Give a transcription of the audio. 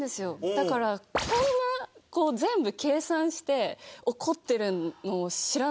だからこんな全部計算して怒ってるのを知らなかったので。